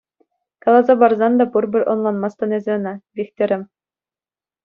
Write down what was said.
Каласа парсан та пурпӗр ӑнланмастӑн эсӗ ӑна, Вихтӗрӗм.